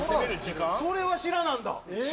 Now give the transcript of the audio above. それは知らなんだ。